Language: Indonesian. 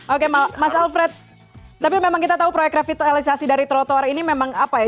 oke mas alfred tapi memang kita tahu proyek revitalisasi dari trotoar ini memang apa ya